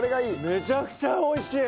めちゃくちゃ美味しい！